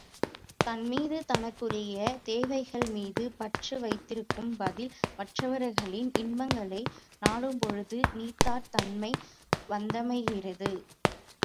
தன்மீதும் தனக்குரிய தேவைகள் மீதும் பற்று வைப்பதற்குப் பதில், மற்றவர்களின் இன்பங்களை நாடும்பொழுது நீத்தார் தன்மை வந்தமைகிறது.